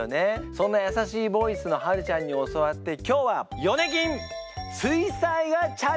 そんな優しいボイスのはるちゃんに教わって今日はイエイ！